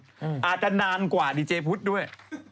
อนุญาตนานกว่าดีเจพุธด้วย